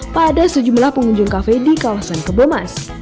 pada sejumlah pengunjung kafe di kawasan kebomas